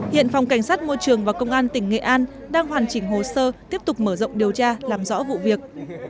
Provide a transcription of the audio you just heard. hiện phòng cảnh sát môi trường và công an tỉnh nghệ an đang hoàn chỉnh hồ sơ tiếp tục mở rộng điều tra làm rõ vụ việc